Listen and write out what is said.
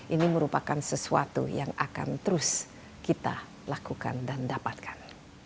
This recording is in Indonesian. ini merupakan sesuatu yang akan terus kita lakukan dan dapatkan